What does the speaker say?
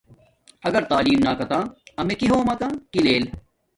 اگر تعلیم نا کاتہ امیے کی ہوم ماکا کی لیل